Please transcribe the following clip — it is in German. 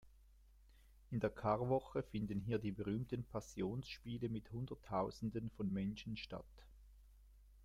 In der Karwoche finden hier die berühmten Passionsspiele mit Hunderttausenden von Menschen statt.